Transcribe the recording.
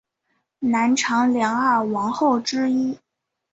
南朝梁二王后之一。